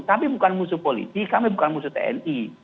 tapi bukan musuh polisi kami bukan musuh tni